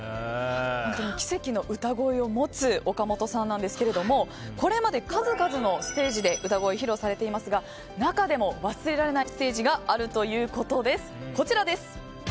本当に奇跡の歌声を持つ岡本さんなんですがこれまで数々のステージで歌声を披露されていますが中でも忘れられないステージがあるということです。